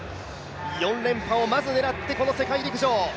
４連覇をまず狙ってこの世界陸上。